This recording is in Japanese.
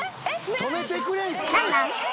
止めてくれ！